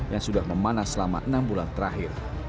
yang sudah memanas selama enam bulan terakhir